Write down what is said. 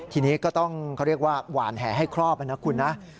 ทีนี้ก็ต้องเขาเรียกว่าหวานแห่ให้ครอบนะคุณนะ